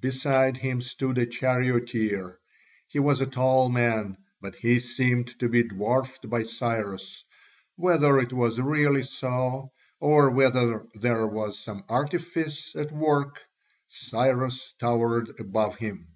Beside him stood a charioteer he was a tall man, but he seemed to be dwarfed by Cyrus; whether it was really so, or whether there was some artifice at work, Cyrus towered above him.